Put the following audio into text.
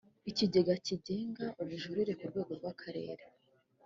ikigega kigenga ubujurire ku rwego rw’akarere